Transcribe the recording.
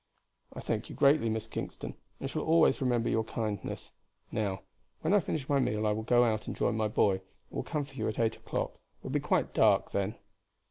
"I thank you greatly, Miss Kingston, and shall always remember your kindness. Now, when I finish my meal I will go out and join my boy, and will come for you at eight o'clock; it will be quite dark then."